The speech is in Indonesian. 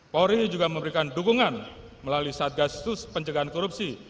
pori juga memberikan dukungan melalui satgas sus penjagaan korupsi